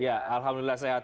ya alhamdulillah sehat